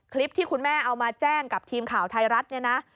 คลิปที่คุณแม่เอามาแจ้งกับทีมข่าวไทยรัฐเนี่ยนะ